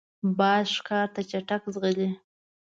باز ښکار ته چټک ځغلي